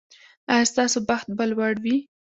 ایا ستاسو بخت به لوړ وي؟